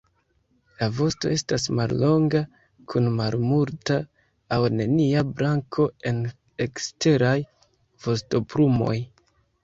La vosto estas mallonga kun malmulta aŭ nenia blanko en eksteraj vostoplumoj.